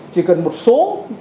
chỉ cần một số